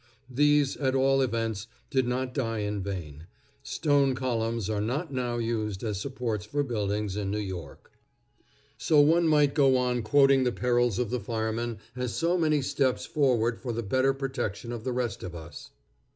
These, at all events, did not die in vain. Stone columns are not now used as supports for buildings in New York. So one might go on quoting the perils of the firemen as so many steps forward for the better protection of the rest of us.